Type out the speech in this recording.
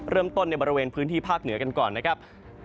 ในบริเวณพื้นที่ภาคเหนือกันก่อนนะครับ